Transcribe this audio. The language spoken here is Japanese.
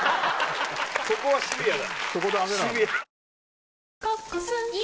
そこはシビアだ。